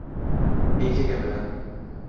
এই যে ক্যামেরা।